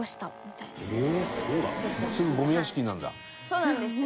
そうなんですよ。